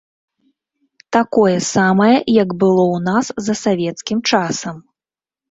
Такое самае, як было ў нас за савецкім часам.